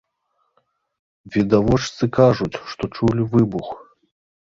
Відавочцы кажуць, што чулі выбух.